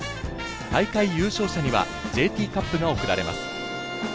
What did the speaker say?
大会優勝者にはＪＴカップが贈られます。